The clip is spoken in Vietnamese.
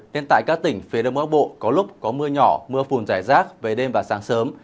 nên tại các tỉnh phía đông bắc bộ có lúc có mưa nhỏ mưa phùn giải rác về đêm và sáng sớm